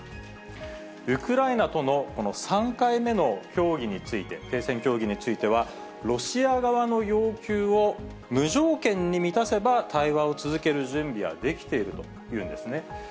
ウクライナとのこの３回目の協議について、停戦協議については、ロシア側の要求を無条件に満たせば、対話を続ける準備はできているというんですね。